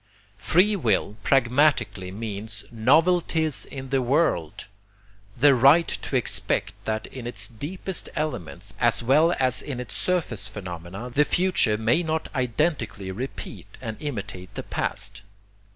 Free will pragmatically means NOVELTIES IN THE WORLD, the right to expect that in its deepest elements as well as in its surface phenomena, the future may not identically repeat and imitate the past.